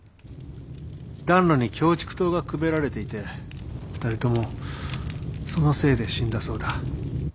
暖炉にキョウチクトウがくべられていて２人ともそのせいで死んだそうだ。